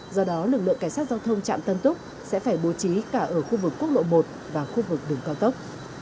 do đó lực lượng cảnh sát giao thông trạm tân túc sẽ phải bố trí cả ở khu vực quốc lộ một và khu vực đường cao tốc